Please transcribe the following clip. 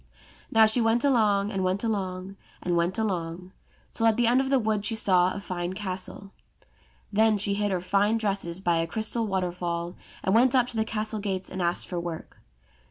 Now she went along, and went along, and went along, till at the end of the wood she saw a fine castle. Then she hid her fine dresses by a crystal waterfall and went up to the castle gates and asked for work.